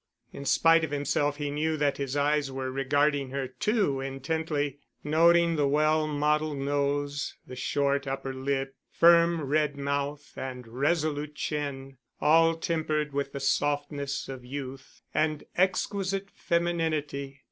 In spite of himself, he knew that his eyes were regarding her too intently, noting the well modeled nose, the short upper lip, firm red mouth and resolute chin, all tempered with the softness of youth and exquisite femininity.